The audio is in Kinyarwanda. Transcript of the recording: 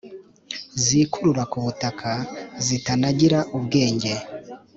zikurura ku butaka zitanagira ubwenge,